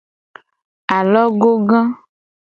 Alogoga.